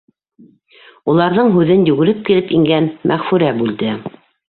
Уларҙың һүҙен йүгереп килеп ингән Мәғфүрә бүлде.